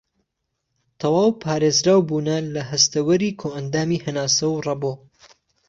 تەواو پارێزراوبوونە لە هەستەوەری کۆئەندامی هەناسە و رەبۆ